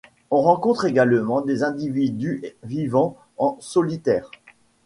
On rencontre également des individus vivant en solitaires.